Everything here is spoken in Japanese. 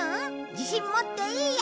自信持っていいよ。